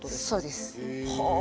そうです。